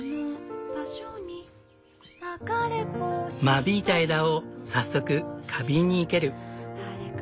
間引いた枝を早速花瓶に生ける。